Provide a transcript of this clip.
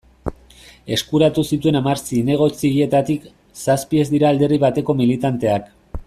Eskuratu zituen hamar zinegotzietatik, zazpi ez dira alderdi bateko militanteak.